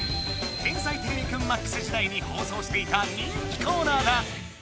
「天才てれびくんＭＡＸ」時代に放送していた人気コーナーだ！